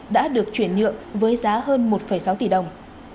đã được chuyển nhượng với giá hơn một sáu tỷ đồng